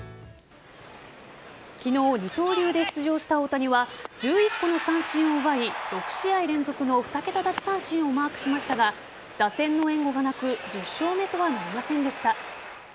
昨日、二刀流で出場した大谷は１１個の三振を奪い６試合連続の２桁奪三振をマークしましたが打線の援護がなく１０勝目とはなりませんでした。